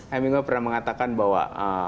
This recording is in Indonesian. hemingway pernah mengatakan bahwa